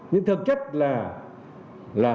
nhưng thực chất là